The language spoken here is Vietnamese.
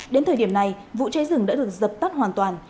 đến thời điểm này vụ cháy rừng đã được dập tắt hoàn toàn